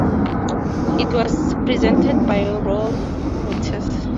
It was presented by Rolf Wouters.